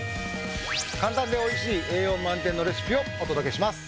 簡単で美味しい栄養満点のレシピをお届けします。